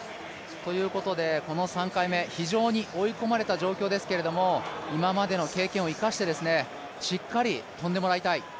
ということでこの３回目、非常に追い込まれた状況ですけれども、今までの経験を生かしてしっかり跳んでもらいたい。